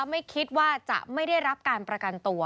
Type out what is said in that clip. ไม่คิดว่าจะไม่ได้รับการประกันตัว